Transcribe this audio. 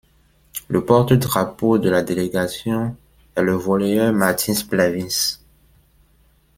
Le porte-drapeau de la délégation est le volleyeur Mārtiņš Pļaviņš.